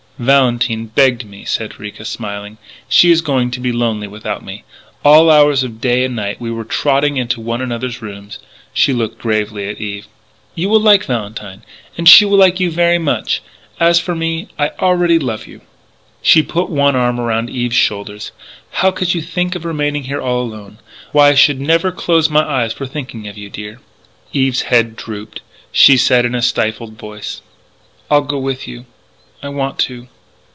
"Valentine begged me," said Ricca, smiling. "She is going to be lonely without me. All hours of day and night we were trotting into one another's rooms " She looked gravely at Eve: "You will like Valentine; and she will like you very much.... As for me I already love you." She put one arm around Eve's shoulders: "How could you even think of remaining here all alone? Why, I should never close my eyes for thinking of you, dear." Eve's head drooped; she said in a stifled voice: "I'll go with you.... I want to....